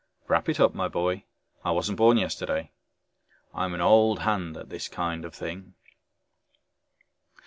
"Wrap it up, my boy, I wasn't born yesterday. I'm an old hand at this kind of thing."